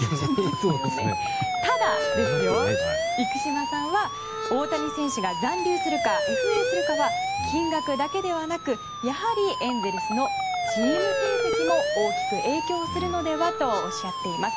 ただ、生島さんは大谷選手が残留するかＦＡするかは金額だけではなくやはりエンゼルスのチーム成績も大きく影響するのではとおっしゃっています。